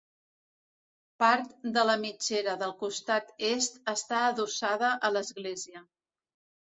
Part de la mitgera del costat Est està adossada a l'església.